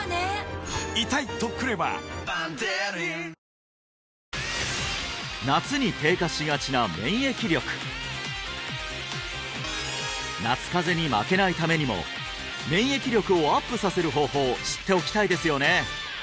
そうやったら夏風邪に負けないためにも免疫力をアップさせる方法知っておきたいですよね